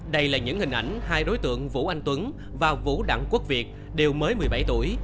đây là những hình ảnh hai đối tượng vũ anh tuấn và vũ đặng quốc việt đều mới một mươi bảy tuổi